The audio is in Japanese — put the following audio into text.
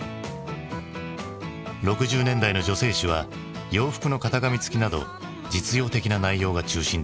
６０年代の女性誌は洋服の型紙付きなど実用的な内容が中心だった。